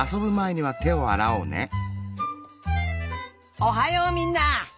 おはようみんな！